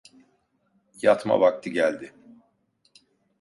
Yatma vakti geldi.